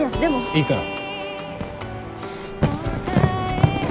いいから。